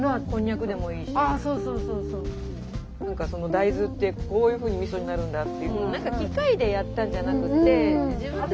大豆ってこういうふうにみそになるんだって。